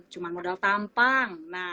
cuma modal tampang